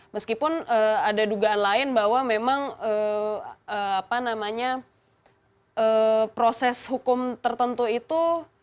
meskipun ada dugaan lain bahwa memang proses hukum tertentu itu